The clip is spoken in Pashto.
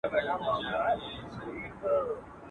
وايی سوله به راځي ملک به ودان سي.